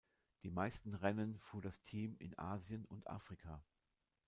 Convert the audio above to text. Die meisten Rennen fuhr das Team in Asien und Afrika.